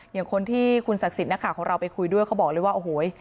อย่างคนที่คุณศักดิ์สิทธิ์นักข่าวของเราไปคุยด้วยเขาบอกเลยว่าโอ้โห